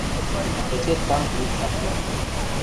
Эче цанг юк шакта.